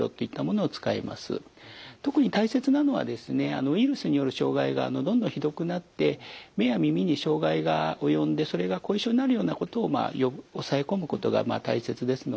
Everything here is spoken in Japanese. あのウイルスによる障害がどんどんひどくなって目や耳に障害が及んでそれが後遺症になるようなことを抑え込むことが大切ですので